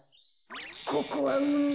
ここはうみ。